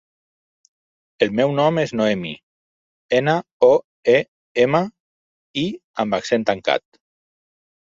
El meu nom és Noemí: ena, o, e, ema, i amb accent tancat.